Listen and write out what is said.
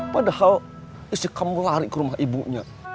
padahal istri kamu lari ke rumah ibunya